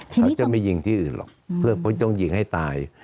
เขาจะไม่ยิงที่อื่นหรอกเพื่อผมต้องยิงให้ตาย